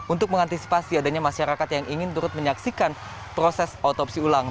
untuk mengantisipasi adanya masyarakat yang ingin turut menyaksikan proses otopsi ulang